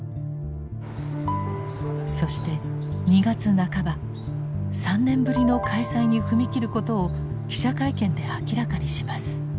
そして２月半ば３年ぶりの開催に踏み切ることを記者会見で明らかにします。